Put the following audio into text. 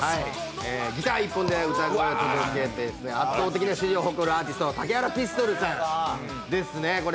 ギター１本で歌声を届ける圧倒的な支持を誇るアーティスト竹原ピストルさんですね。